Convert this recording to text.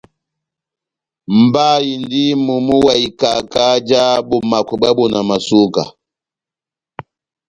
Mba indi momo wa ikaka já bomakwɛ bwá bonamasuka.